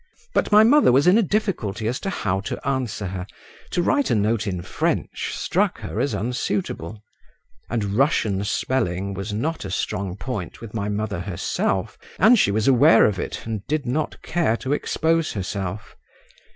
But my mother was in a difficulty as to how to answer her. To write a note in French struck her as unsuitable, and Russian spelling was not a strong point with my mother herself, and she was aware of it, and did not care to expose herself.